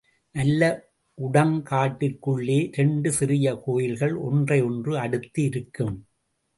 நல்ல உடங்காட்டிற்குள்ளே இரண்டு சிறிய கோயில்கள் ஒன்றை ஒன்று அடுத்து இருக்கும்.